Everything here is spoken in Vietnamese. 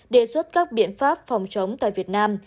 đề xuất các biện pháp phòng chống tại việt nam